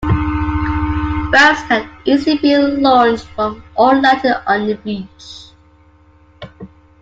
Boats can easily be launched from or landed on the beach.